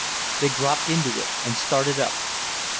They dropped into it and started up.